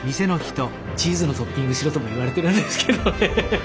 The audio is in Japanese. チーズのトッピングしろとも言われてるんですけどね。